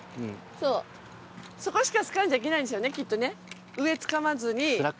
そうそこしかつかんじゃいけないんですよねきっとね上つかまずに。